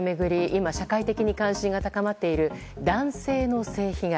今、社会的に関心が高まっている男性の性被害。